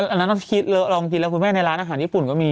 อันนั้นคิดเลอะลองกินแล้วคุณแม่ในร้านอาหารญี่ปุ่นก็มี